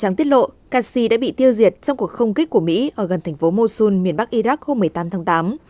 nhà trắng tiết lộ qassi đã bị tiêu diệt trong cuộc không kích của mỹ ở gần thành phố mosul miền bắc iraq hôm một mươi tám tháng tám